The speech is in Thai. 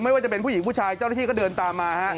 ว่าจะเป็นผู้หญิงผู้ชายเจ้าหน้าที่ก็เดินตามมาฮะ